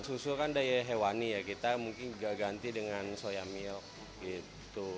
susu kan dia hewani ya kita mungkin juga ganti dengan soya milk gitu